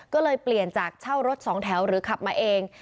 ก็เลยเปลี่ยนจากเช่ารถสองแถวหรือขับมาเอง